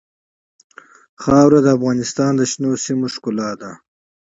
خاوره د افغانستان د شنو سیمو ښکلا ده.